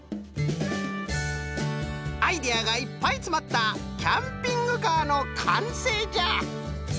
アイデアがいっぱいつまったキャンピングカーのかんせいじゃ！